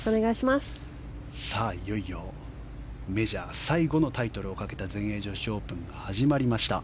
いよいよ、メジャー最後のタイトルをかけた全英女子オープンが始まりました。